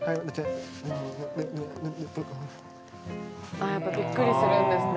ああやっぱりびっくりするんですね。